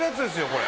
これ。